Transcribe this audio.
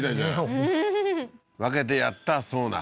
ふっ分けてやったそうな